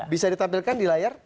bisa ditampilkan di layar